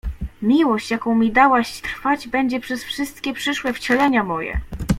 Miłość, jaką mi dałaś, trwać będzie przez wszystkie przyszłe wcielenia moje.